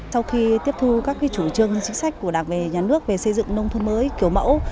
sau khi tiếp thu các chủ trương chính sách của đảng về nhà nước về xây dựng nông thôn mới kiểu mẫu